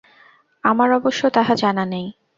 আমার অবশ্য তাহা জানা নাই।